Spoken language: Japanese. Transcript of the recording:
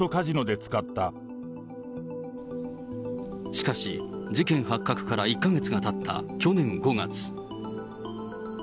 しかし、事件発覚から１か月がたった去年５月。